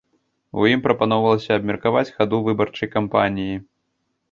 У ім прапаноўвалася абмеркаваць хаду выбарчай кампаніі.